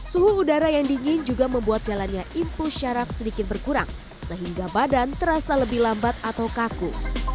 suhu udara yang dingin juga membuat jalannya impuls syarab sedikit berkurang sehingga badan terasa lebih lambat atau kaku